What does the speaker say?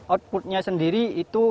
outputnya sendiri itu